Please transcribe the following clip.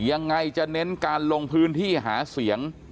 ยังไงจะเน้นการลงพื้นที่หาเสียง